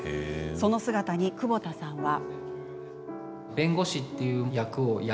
その姿に窪田さんは。